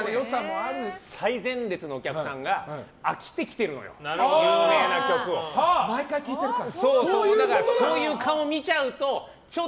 最前列のお客さんが飽きてきているのよ毎回聴いてるから？